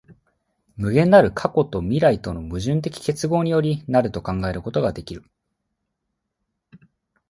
無限なる過去と未来との矛盾的結合より成ると考えることができる。